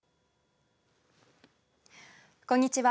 こんにちは。